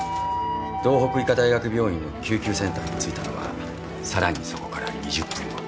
道北医科大学病院の救急センターに着いたのはさらにそこから２０分後。